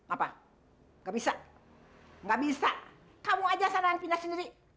apa gak bisa gak bisa kamu aja yang sana yang pindah sendiri